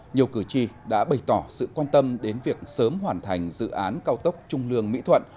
nhiều cử tri đã bày tỏ sự quan tâm đến việc sớm hoàn thành dự án cao tốc trung lương mỹ thuận